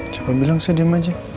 coba bilang saya diem aja